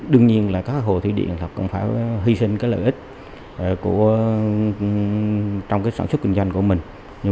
đương nhiên các hồ thủy điện cũng phải hy sinh lợi ích trong sản xuất kinh doanh của mình